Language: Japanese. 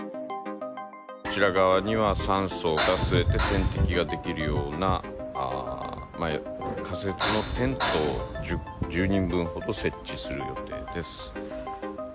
こちら側には酸素が吸えて、点滴ができるような仮設のテントを１０人分ほど設置する予定です。